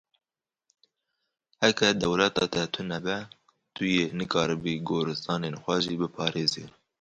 Heke dewleta te tune be, tu yê nikaribî goristanên xwe jî biparêzî.